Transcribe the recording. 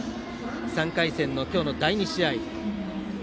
３回戦の今日の第２試合。